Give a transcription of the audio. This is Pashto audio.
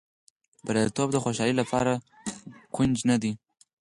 بریالیتوب د خوشالۍ لپاره کونجي نه ده.